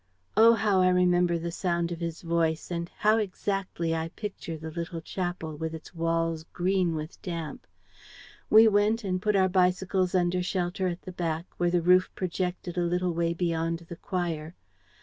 Oh, how I remember the sound of his voice and how exactly I picture the little chapel, with its walls green with damp! We went and put our bicycles under shelter at the back, where the roof projected a little way beyond the choir.